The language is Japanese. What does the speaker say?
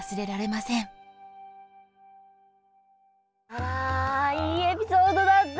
わいいエピソードだった。